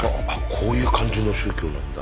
こういう感じの宗教なんだ。